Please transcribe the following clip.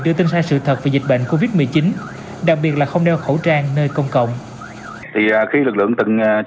đưa tin sai sự thật về dịch bệnh covid một mươi chín đặc biệt là không đeo khẩu trang nơi công cộng